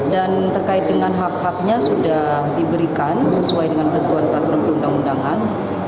dan terkait dengan hak haknya sudah diberikan sesuai dengan ketuan peraturan perundang undangan